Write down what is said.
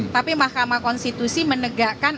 tapi mahkamah konstitusi menegakkan